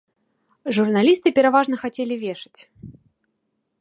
Журналісты пераважна хацелі вешаць.